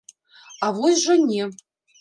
А вось жа не!